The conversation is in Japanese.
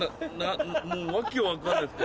もう訳分かんないです。